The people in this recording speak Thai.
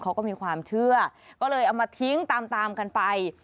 เขาก็มีความเชื่อก็เลยเอามาทิ้งตามตามกันไป